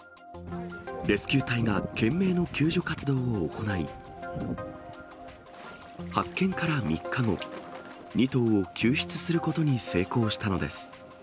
レスキュー隊が懸命の救助活動を行い、発見から３日後、２頭を救出することに成功したのです。